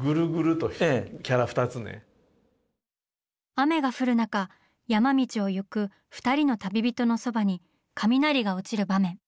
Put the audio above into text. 雨が降る中山道を行く二人の旅人のそばに雷が落ちる場面。